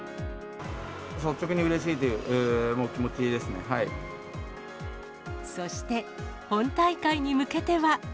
率直にうれしいという気持ちそして、本大会に向けては。